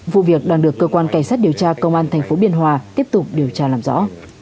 vụ việc đang được cơ quan cảnh sát điều tra công an tp biên hòa tiếp tục điều tra làm rõ